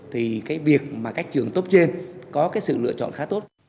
thì cái việc mà các trường tốt trên có cái sự lựa chọn khá tốt